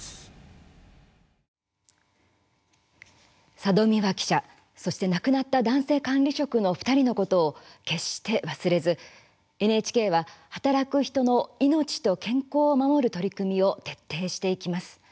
佐戸未和記者そして、亡くなった男性管理職の２人のことを決して忘れずＮＨＫは働く人の命と健康を守る取り組みを徹底していきます。